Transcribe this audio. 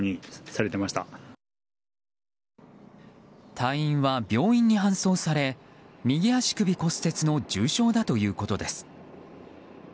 隊員は病院に搬送され右足首骨折の重傷だということです。